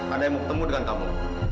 ada yang mau ketemu dengan kamu